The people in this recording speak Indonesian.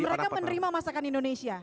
mereka menerima masakan indonesia